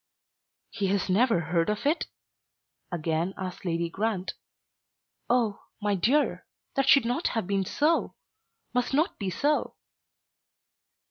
"He has never heard of it?" again asked Lady Grant. "Oh, my dear. That should not have been so; must not be so."